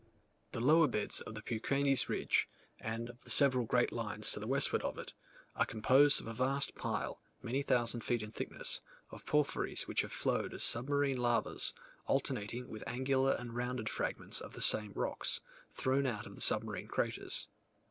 The lower beds of the Peuquenes ridge, and of the several great lines to the westward of it, are composed of a vast pile, many thousand feet in thickness, of porphyries which have flowed as submarine lavas, alternating with angular and rounded fragments of the same rocks, thrown out of the submarine craters.